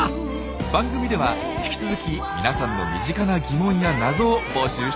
番組では引き続き皆さんの身近な疑問や謎を募集していきます。